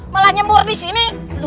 malah nyembur di sini